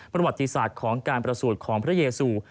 ประวัติศาสตร์ของการประสูจน์ของพระเยซู